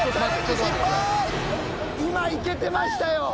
今いけてましたよ。